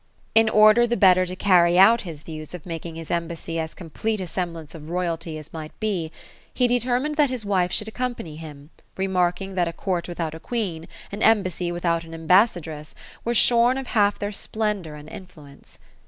In order the better to carry out his views of making his embassy as complete a semblance of royalty as might be, he determined that his wife should accompany him, remarking that a court without a queen, an embassy without an embassadress, were shorn of half their splendour and influence.